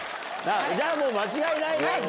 じゃあもう間違いないな。